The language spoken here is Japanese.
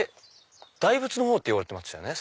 大仏の方って言われてましたよね。